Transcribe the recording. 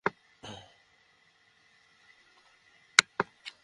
চাঁদা দাবির কথা বলা হলেও পরিবারের পক্ষ থেকে থানায় জিডি করা হয়নি।